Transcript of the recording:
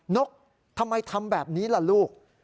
นกทำไมทำแบบนี้ล่ะลูก